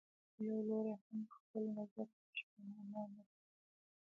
یو لوری هم خپل نظر په بشپړه معنا نه رسوي.